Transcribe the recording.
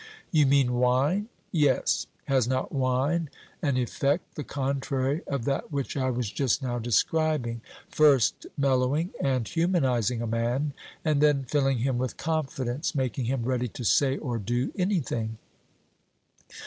'You mean wine.' Yes; has not wine an effect the contrary of that which I was just now describing, first mellowing and humanizing a man, and then filling him with confidence, making him ready to say or do anything?